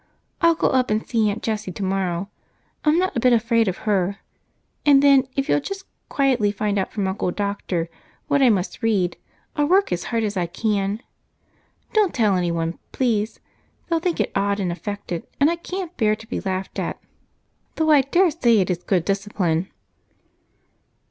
I'll go up and see Aunt Jessie tomorrow. I'm not a bit afraid of her, and then if you'll just quietly find out from Uncle Doctor what I must read, I'll work as hard as I can. Don't tell anyone, please, they'll think it odd and affected, and I can't bear to be laughed at, though I daresay it is good discipline."